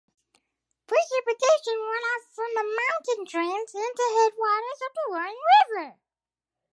Precipitation runoff from the mountain drains into headwaters of the Roaring River.